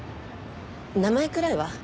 名前くらいは。